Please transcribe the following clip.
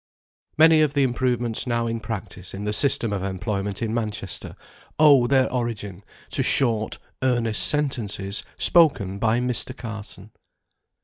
Many of the improvements now in practice in the system of employment in Manchester, owe their origin to short, earnest sentences spoken by Mr. Carson.